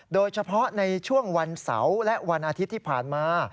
โดยเฉพาะในช่วงวันเสาร์และวันอาทิตย์ที่ผ่านมา